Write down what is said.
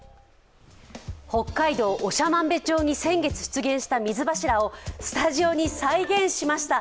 北海道長万部町に先月出現した水柱をスタジオに再現しました。